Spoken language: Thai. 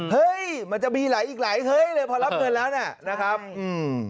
เฮ้ยมันจะมีหลายอีกหลายเฮ้ยเลยพอรับเงินแล้วน่ะนะครับอืม